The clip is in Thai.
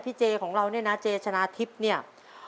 เจของเราเนี่ยนะเจชนะทิพย์เนี่ย